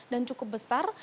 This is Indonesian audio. dan cukup besar